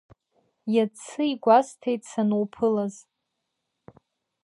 Иацы игәасҭеит сануԥылаз…